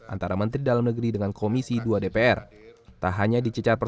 antara menteri dalam negeri dengan komisi dua dpr